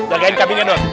bagain kambingnya dut